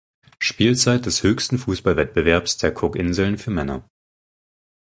Spielzeit des höchsten Fußballwettbewerbs der Cookinseln für Männer.